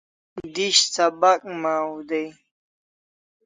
Dish sabak maw day